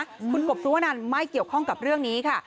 คุณกบสุวนันไม่เกี่ยวข้องกับเรื่องนี้ค่ะ